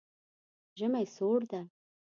ژمی سوړ ده